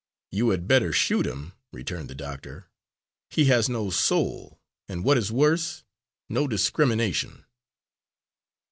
"You had better shoot him," returned the doctor. "He has no soul and what is worse, no discrimination."